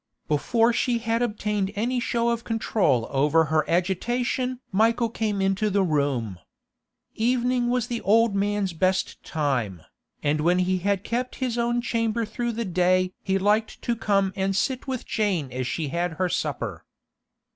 Before she had obtained any show of control over her agitation Michael came into the room. Evening was the old man's best time, and when he had kept his own chamber through the day he liked to come and sit with Jane as she had her supper.